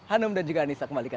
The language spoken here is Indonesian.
hanum dan juga anissa kembalikan